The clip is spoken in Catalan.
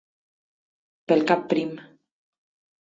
Pel cap prim.